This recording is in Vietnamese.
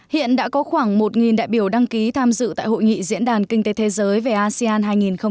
hiện đã có khoảng một đại biểu đăng ký tham dự tại hội nghị diễn đàn kinh tế thế giới về asean hai nghìn hai mươi